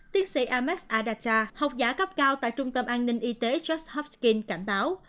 tiến sĩ ahmed adacha học giả cấp cao tại trung tâm an ninh y tế george hopkins cảnh báo